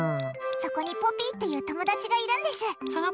そこにポピーっていう友達がいるんです。